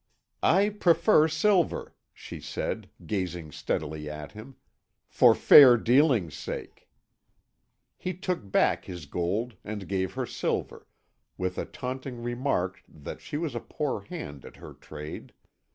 "I prefer silver," she said, gazing steadily at him, "for fair dealing's sake." He took back his gold and gave her silver, with a taunting remark that she was a poor hand at her trade.